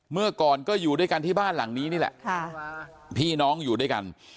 เมื่อก่อนก็อยู่ด้วยกันที่บ้านหลังนี้นี่แหละพี่น้องอยู่ด้วยกัน